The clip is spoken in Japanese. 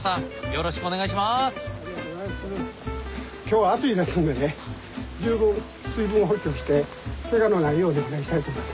今日は暑いですんでね十分水分補給をしてケガのないようにお願いしたいと思います。